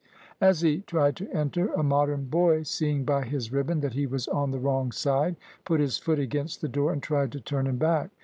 As he tried to enter, a Modern boy, seeing by his ribbon that he was on the wrong side, put his foot against the door and tried to turn him back.